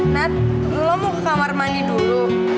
nat lo mau ke kamar mandi dulu